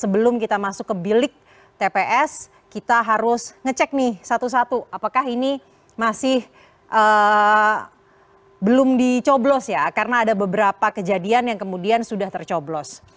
sebelum kita masuk ke bilik tps kita harus ngecek nih satu satu apakah ini masih belum dicoblos ya karena ada beberapa kejadian yang kemudian sudah tercoblos